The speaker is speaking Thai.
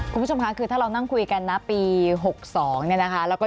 คุณผู้ชมค่ะคือถ้าเรานั่งคุยกันนะปี๖๒เนี่ยนะคะ